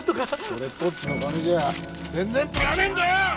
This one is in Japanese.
それっぽっちの金じゃ全然足らねえんだよ！